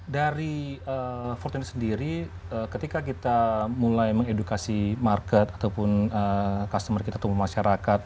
dari empat belas sendiri ketika kita mulai mengedukasi market ataupun customer kita atau masyarakat